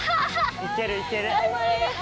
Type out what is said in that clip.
いけるいける。